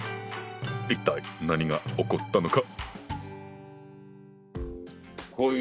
一体何が起こったのか！